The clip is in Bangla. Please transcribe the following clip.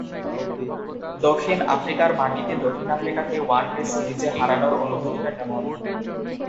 দক্ষিণ আফ্রিকার মাটিতে দক্ষিণ আফ্রিকাকে ওয়ানডে সিরিজে হারানোর অনুভূতিটা কেমন?